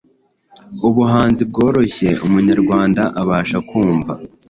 ubuhanzi bworoshye umunyarwanda abasha kumva